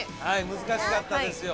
難しかったですよ